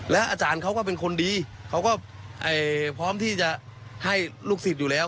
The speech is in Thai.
อาจารย์เขาก็เป็นคนดีเขาก็พร้อมที่จะให้ลูกศิษย์อยู่แล้ว